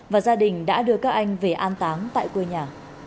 và gia đình đã đưa các anh về an táng tại quê nhà